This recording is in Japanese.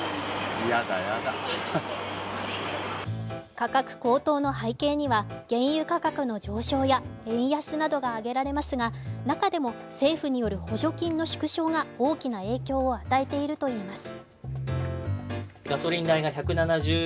価格高騰の背景には原油価格の上昇や円安などが挙げられますが、中でも政府による補助金の縮小が大きな影響を与えているといいます。